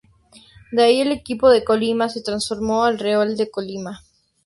De ahí el equipo de Colima se transformó al Real de Colima.